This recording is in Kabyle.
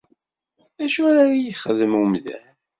D acu ara iyi-ixdem umdan?